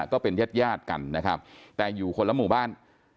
ก็เป็นญาติญาติกันนะครับแต่อยู่คนละหมู่บ้าน